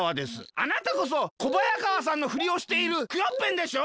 あなたこそ小早川さんのふりをしているクヨッペンでしょ？